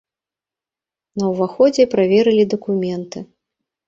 На ўваходзе праверылі дакументы.